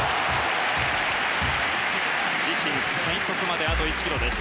自身最速まであと１キロです。